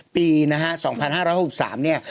ปีนะฮะ๒๕๖๓เนี่ย